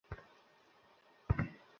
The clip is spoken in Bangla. হামযা এবং আলীকেও মাফ করব না।